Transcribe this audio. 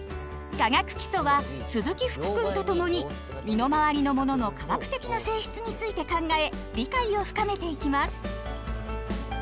「化学基礎」は鈴木福くんと共に身の回りのものの化学的な性質について考え理解を深めていきます。